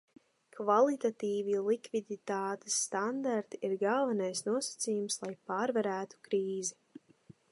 Kvalitatīvi likviditātes standarti ir galvenais nosacījums, lai pārvarētu krīzi.